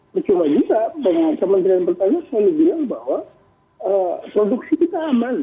bercuma juga kementerian pertanian selalu bilang bahwa produksi kita aman